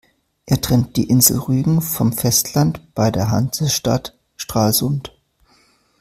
Er trennt die Insel Rügen vom Festland bei der Hansestadt Stralsund.